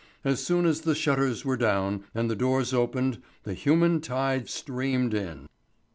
As soon as the shutters were down and the doors opened the human tide streamed in.